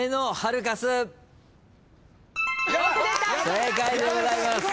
正解でございます。